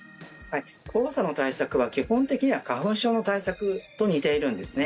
黄砂の対策は基本的には花粉症の対策と似ているんですね。